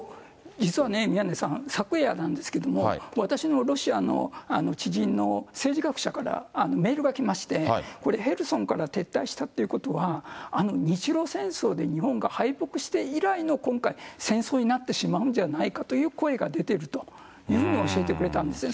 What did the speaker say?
実は宮根さん、昨夜なんですけど、私のロシアの知人の政治学者からメールが来まして、これ、ヘルソンから撤退したということは、日露戦争で日本が敗北して以来の、今回、戦争になってしまうんじゃないかという声が出てるというふうに教えてくれたんですね。